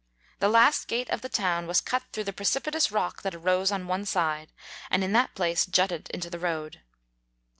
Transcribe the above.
The last gate of the town was cut through the precipitous rock that arose on one side, and in that place jutted into the road.